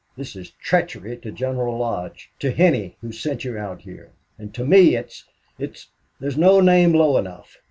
This is treachery to General Lodge to Henney, who sent you out here. And to me it's it's there's no name low enough.